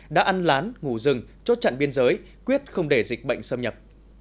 đã ăn lán ngủ rừng chốt chặn biên giới quyết không để dịch bệnh xâm nhập